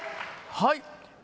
はい。